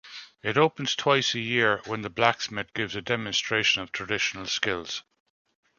It opens twice a year when the blacksmith gives a demonstration of traditional skills.